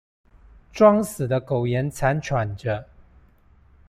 裝死的苟延慘喘著